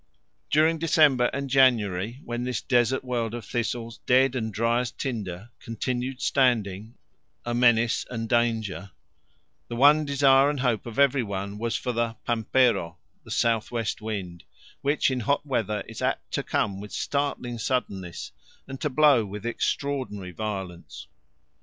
During December and January when this desert world of thistles dead and dry as tinder continued standing, a menace and danger, the one desire and hope of every one was for the pampero the south west wind, which in hot weather is apt to come with startling suddenness, and to blow with extraordinary violence.